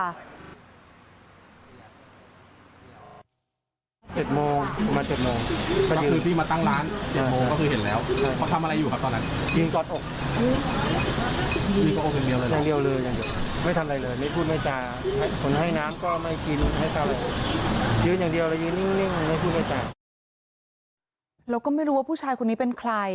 เราก็ไม่รู้ว่าผู้ชายคนนี้เป็นใคร